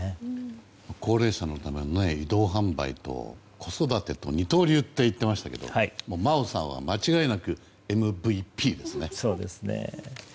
高齢者のための移動販売と子育てと二刀流といっていましたけど真央さんは間違いなくＭＶＰですね。